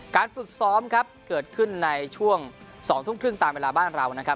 ฝึกซ้อมครับเกิดขึ้นในช่วง๒ทุ่มครึ่งตามเวลาบ้านเรานะครับ